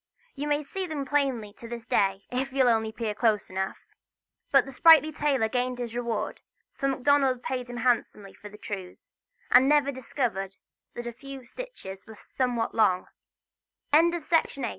You may see them plainly to this day, if you'll only peer close enough. But the sprightly tailor gained his reward: for Macdonald paid him handsomely for the trews, and never discovered that a few of the stitches were somewhat long.